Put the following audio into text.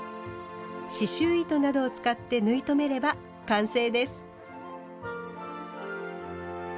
刺しゅう糸などを使って縫い留めれば完成です。